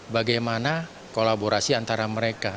bagaimana kolaborasi antara mereka